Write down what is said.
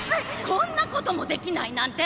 こんなこともできないなんて！